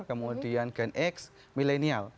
kemudian gen x milenial